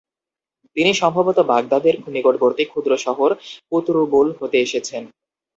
তিনি সম্ভবত বাগদাদ এর নিকটবর্তী ক্ষুদ্র শহর কুতরুবুল, হতে এসেছেন।